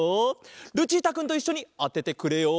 ルチータくんといっしょにあててくれよ！